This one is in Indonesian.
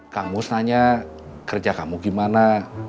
kang mus nanya kerja kamu gimana